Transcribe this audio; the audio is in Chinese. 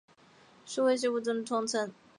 受威胁物种的统称。